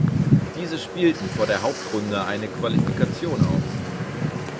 Diese spielten vor der Hauptrunde eine Qualifikation aus.